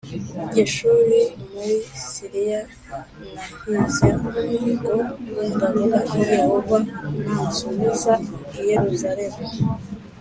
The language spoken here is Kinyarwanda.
i Geshuri l muri Siriya nahize umuhigo m ndavuga nti Yehova nansubiza i Yerusalemu